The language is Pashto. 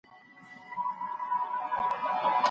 که ستونزه موجوده سوه، هه مه پټوئ.